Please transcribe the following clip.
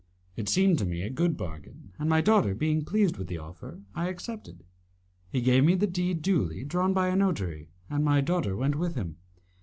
It seemed to me a good bargain, and, my daughter being pleased with the offer, I accepted. He gave me the deed duly drawn by a notary, and my daughter went with him.